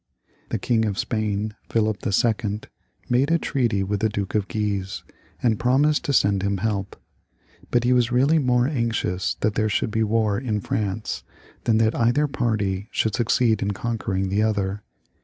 ^ The King of Spain, Philip IL, made a treaty with the Duke of Guise, and promised to send him help ; but he was 290 HENRY III. [crt. really more anxious that there should be war in France than that either party should succeed in conquering the other.